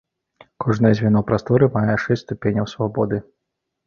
Кожнае звяно прасторы мае шэсць ступеняў свабоды.